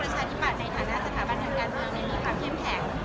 เราก็ให้รับสินค้าจากภารกฎศาสตร์ภิกษา